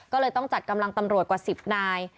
ก็เลยต้องจัดกำลังตำรวจกว่า๑๐นาย